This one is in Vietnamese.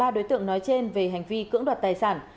ba đối tượng nói trên về hành vi cưỡng đoạt tài sản